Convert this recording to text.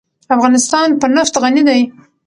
افغانستان په نفت غني دی.